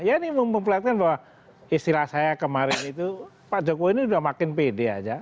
ya ini memperlihatkan bahwa istilah saya kemarin itu pak jokowi ini sudah makin pede aja